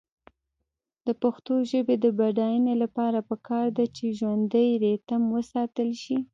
د پښتو ژبې د بډاینې لپاره پکار ده چې ژوندی ریتم وساتل شي.